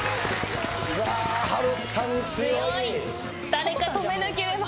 誰か止めなければ。